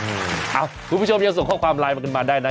คุณผู้ชมยังส่งข้อความไลน์มากันมาได้นะ